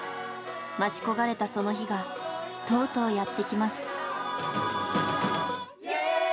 待ち焦がれたその日がとうとうやって来ます。